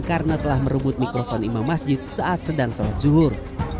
karena telah merebut mikrofon imam masjid saat sedang sholat zuhur